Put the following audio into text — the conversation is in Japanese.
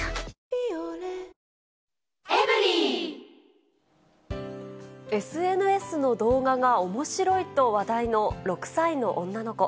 「ビオレ」ＳＮＳの動画がおもしろいと話題の６歳の女の子。